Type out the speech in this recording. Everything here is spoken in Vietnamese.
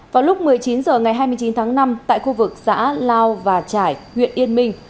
vào lúc một mươi chín h ngày hai mươi chín tháng năm tại khu vực xã lao và trải huyện yên minh